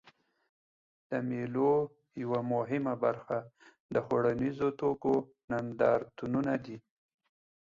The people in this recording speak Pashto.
د مېلو یوه مهمه برخه د خوړنیزو توکو نندارتونونه دي.